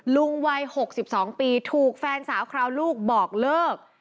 ลุงวัย๖๒ปีถูกแฟนสาวคราวลูกบอกเลิก